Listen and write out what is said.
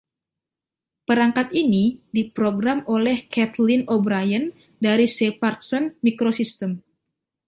Perangkat ini diprogram oleh Kathleen O’Brien dari Shepardson Microsystems.